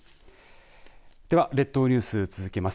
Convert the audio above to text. では列島ニュース続きます。